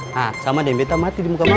nah sama dengan bete mati di muka mama